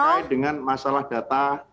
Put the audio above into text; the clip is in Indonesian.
terkait dengan masalah data